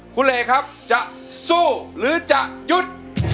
คุณเอกครับจะสู้หรือจะหยุด